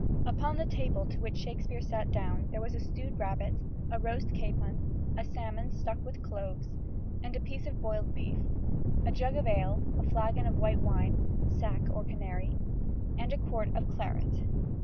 Upon the table to which Shakespeare sat down there were a stewed rabbit, a roast capon, a salmon stuck with cloves, and a piece of boiled beef; a jug of ale, a flagon of white wine (sack or canary) and a quart of claret.